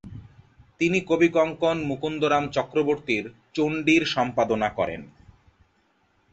তিনি কবিকঙ্কণ মুকুন্দরাম চক্রবর্তীর 'চণ্ডী'র সম্পাদনা করেন।